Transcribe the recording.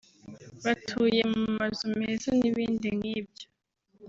batuye mu mazu meza n’ibindi nk’ibyo